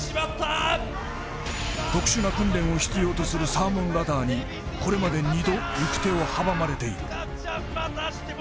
特殊な訓練を必要とするサーモンラダーにこれまで２度、行く手を阻まれている。